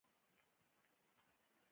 پلار یا نیکه په شورا کې غړی و.